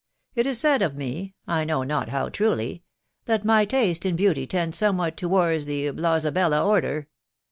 It is said of me .... I know not how truly .... that my taste in beauty tends somewhat to wards the Blowzabella order